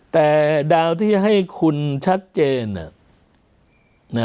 แต่ดาวที่ให้คุณชัดเจน